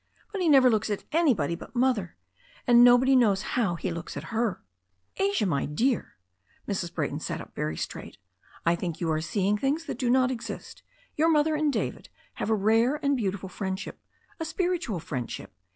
But he never looks at anybody but Mother, and nobody knows how he looks at her." "Asia, my dear" — Mrs. Brayton sat up very straight — ^"I think you are seeing things that do not exist. Your mother and David have a rare and beautiful friendship — a spiritual friendship.